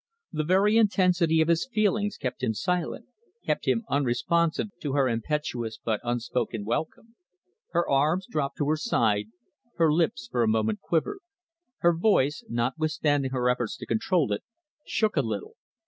The very intensity of his feelings kept him silent, kept him unresponsive to her impetuous but unspoken welcome. Her arms dropped to her side, her lips for a moment quivered. Her voice, notwithstanding her efforts to control it, shook a little.